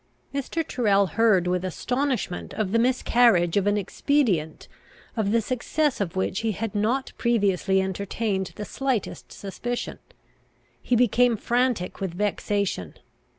Mr. Tyrrel heard with astonishment of the miscarriage of an expedient, of the success of which he had not previously entertained the slightest suspicion. He became frantic with vexation.